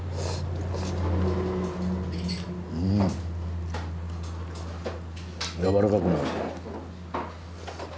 うんやわらかくなる。